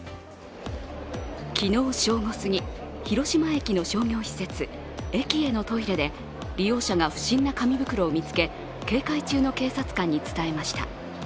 昨日正午すぎ広島駅の商業施設ｅｋｉｅのトイレで利用者が不審な紙袋を見つけ警戒中の警察官に伝えました。